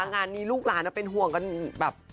งานนี้ลูกหลานเป็นห่วงกันแบบ